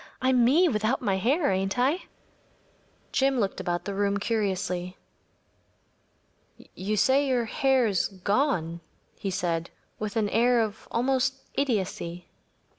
I’m me without my hair, ain’t I?‚ÄĚ Jim looked about the room curiously. “You say your hair is gone?‚ÄĚ he said, with an air almost of idiocy.